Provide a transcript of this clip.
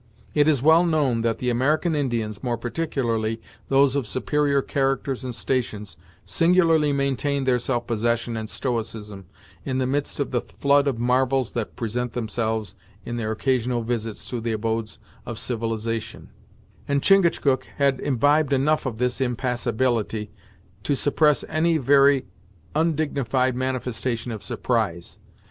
It is well known that the American Indians, more particularly those of superior characters and stations, singularly maintain their self possession and stoicism, in the midst of the flood of marvels that present themselves in their occasional visits to the abodes of civilization, and Chingachgook had imbibed enough of this impassibility to suppress any very undignified manifestation of surprise.